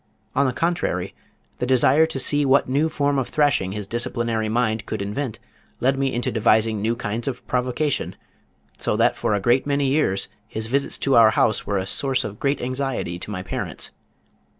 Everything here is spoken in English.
On the contrary the desire to see what new form of thrashing his disciplinary mind could invent led me into devising new kinds of provocation, so that for a great many years his visits to our house were a source of great anxiety to my parents.